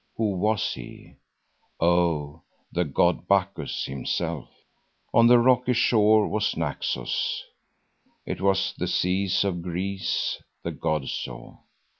Who was he? Oh, the god Bacchus himself. And the rocky shore was Naxos. It was the seas of Greece the god saw.